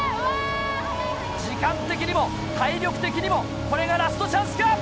時間的にも体力的にもこれがラストチャンスか？